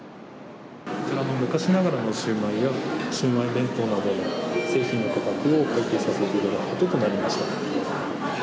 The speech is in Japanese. こちらの昔ながらのシウマイや、シウマイ弁当などの製品の価格を改定させていただくこととなりました。